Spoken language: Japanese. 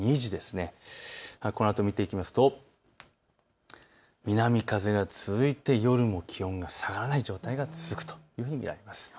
このあとを見ていくと南風が続いて夜も気温が下がらない状態が続くというふうに見られます。